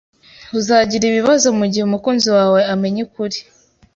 Uzagira ibibazo mugihe umukunzi wawe amenye ukuri